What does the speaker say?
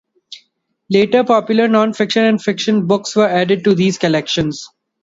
Later popular non-fiction and fiction books were added to these collections.